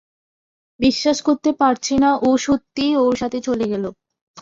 বিশ্বাস করতে পারছি না ও সত্যিই ওর সাথে চলে গেল।